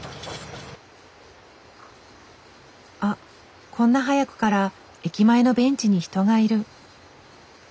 あっこんな早くから駅前のベンチに人がいる。